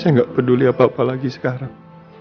saya nggak peduli apa apa lagi sekarang